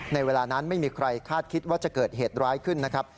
ในเวลานั้นไม่มีใครคาดคิดว่าจะเกิดเหตุร้ายขึ้นนะครับ